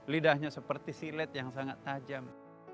lidahnya seperti silet yang sangat tajam